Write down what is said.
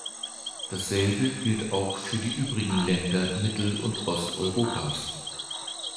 Dasselbe gilt auch für die übrigen Länder Mittel- und Osteuropas.